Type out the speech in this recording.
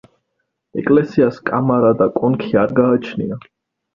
ეკლესიას კამარა და კონქი არ გააჩნია.